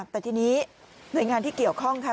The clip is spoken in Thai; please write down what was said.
แต่ทีนี้หน่วยงานที่เกี่ยวข้องค่ะ